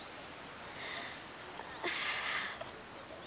ああ。